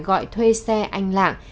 gọi thuê xe anh lạng